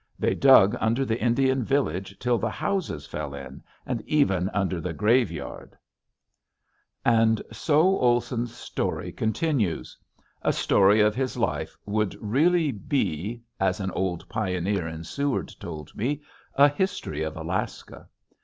They dug under the Indian village till the houses fell in, and even under the graveyard." [Illustration: WOMAN] And so Olson's story continues. A story of his life would really be as an old pioneer in Seward told me a history of Alaska.